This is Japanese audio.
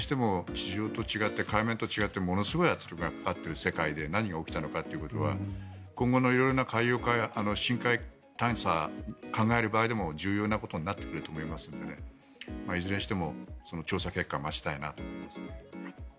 地上と違って海面と違ってものすごい圧力がかかっている世界で何が起きたのかということは今後の色々な深海探査を考える場合でも重要なことになってくると思いますのでいずれにしても、調査結果を待ちたいなと思います。